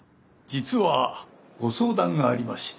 実はご相談がありまして。